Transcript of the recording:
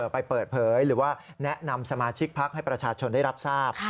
ไปเปิดเผยหรือว่าแนะนำสมาชิกพักให้ประชาชนได้รับทราบ